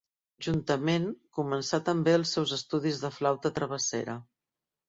Juntament, començà també els seus estudis de flauta travessera.